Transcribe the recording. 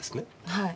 はい。